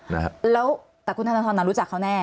แล้วแต่คุณธนทรน่ะรู้จักเขาแน่